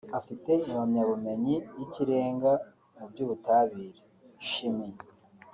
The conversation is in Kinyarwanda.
afite impamyabumenyi y’ikirenga mu by’Ubutabire (Chimie)